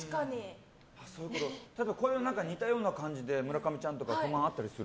似たような感じで村上ちゃんとか不満あったりする？